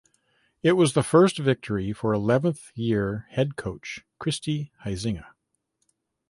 It was the first victory for eleventh year head coach Kristi Huizenga.